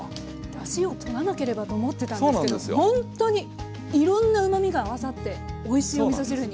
だしを取らなければと思ってたんですけどほんとにいろんなうまみが合わさっておいしいおみそ汁に。